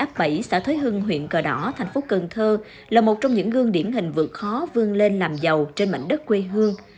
vợ chồng văn nguyên ngụ tại áp bảy xã thuế hưng huyện cờ đỏ thành phố cần thơ là một trong những gương điểm hình vượt khó vươn lên làm giàu trên mảnh đất quê hương